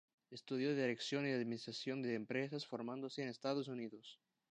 Estudió Dirección y Administración de Empresas, formándose en Estados Unidos.